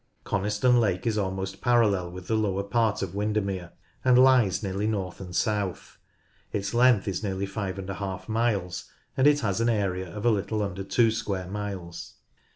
Coniston Lake is almost parallel with the lower part of Windermere, and lies nearly north and south. Its length is nearly 5^ miles, and it has an area of a little under two square miles.